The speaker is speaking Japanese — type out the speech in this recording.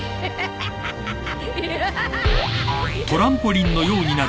ハハハハ！